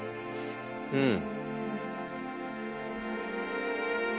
うん。